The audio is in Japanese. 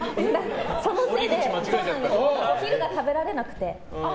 そのせいでお昼が食べられなくて。